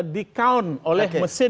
di count oleh mesin